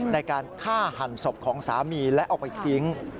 ในการฆ่าหันศพของสามีและเอาไปทิ้ง